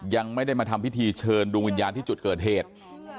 ยังไม่ได้มาทำพิธีเชิญดวงวิญญาณที่จุดเกิดเหตุ